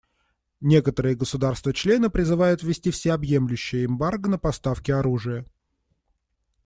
Некоторые государства-члены призывают ввести всеобъемлющее эмбарго на поставки оружия.